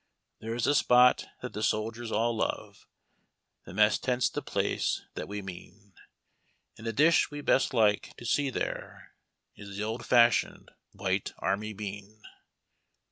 There's a spot that the soldiers all love, The mess tent's the place that we mean, And the dish we best like to see there Is the old fashioned, Avhite Army Bean.